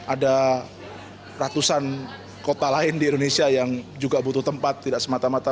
ada ratusan kota lain di indonesia yang juga butuh tempat tidak semata mata